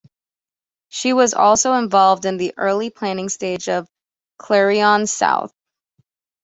She was also involved in the early planning stage of Clarion South.